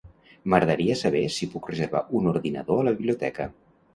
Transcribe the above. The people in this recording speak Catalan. M'agradaria saber si puc reservar un ordinador a la biblioteca.